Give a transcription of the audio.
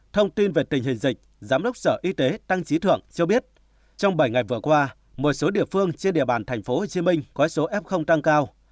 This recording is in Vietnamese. thông tin về tình hình dịch giám đốc sở y tế tăng trí thượng cho biết trong bảy ngày vừa qua một số địa phương trên địa bàn tp hcm có số f tăng cao